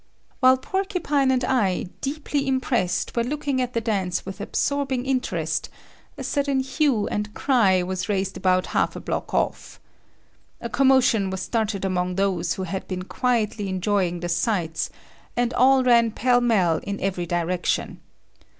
While Porcupine and I, deeply impressed, were looking at the dance with absorbing interest, a sudden hue and cry was raised about half a block off. A commotion was started among those who had been quietly enjoying the sights and all ran pell mell in every direction.